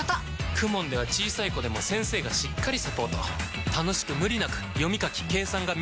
ＫＵＭＯＮ では小さい子でも先生がしっかりサポート楽しく無理なく読み書き計算が身につきます！